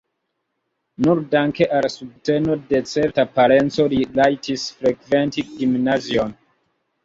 Nur danke al subteno de certa parenco li rajtis frekventi gimnazion.